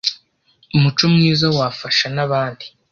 umuco mwiza wafasha na bandi